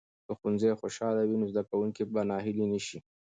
که ښوونځي خوشاله وي، نو زده کوونکي به ناهیلي نه شي.